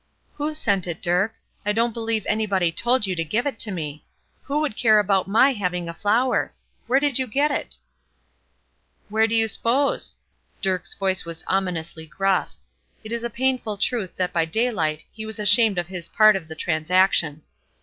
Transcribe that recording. "Who sent it, Dirk? I don't believe anybody told you to give it to me. Who would care about my having a flower? Where did you get it?" "Where do you s'pose?" Dirk's voice was ominously gruff. It is a painful truth that by daylight he was ashamed of his part of the transaction.